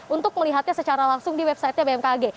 untuk melihatnya secara langsung di websitenya bmkg